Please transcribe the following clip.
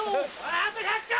あと１００回！